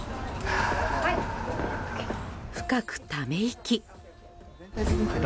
深くため息。